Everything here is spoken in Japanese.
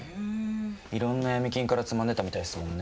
いろんな闇金からつまんでたみたいですもんね